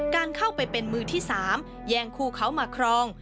การเข้าไปเป็นมือที่๓แย่งคู่เขามาครอง